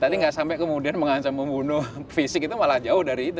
tadi nggak sampai kemudian mengancam membunuh fisik itu malah jauh dari itu